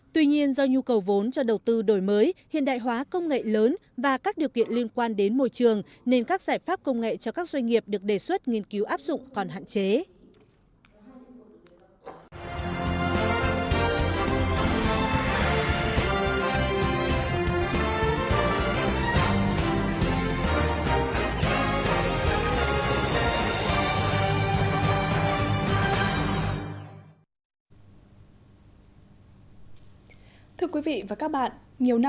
tuy nhiên do nhu cầu vốn cho đầu tư đổi mới hiện đại hóa công nghệ lớn và các điều kiện liên quan đến môi trường nên các giải pháp công nghệ cho các doanh nghiệp được đề xuất nghiên cứu áp dụng còn hạn chế